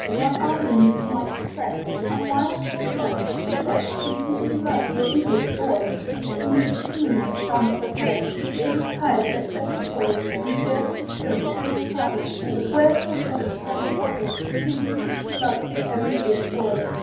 Why are you in this mighty fret? And why on horseback have you set Him whom you love, your idiot boy? Beneath the moon that shines so bright, Till she is tired, let Betty Foy With girt and stirrup fiddle faddle; But wherefore set upon a saddle Him whom she loves, her idiot boy?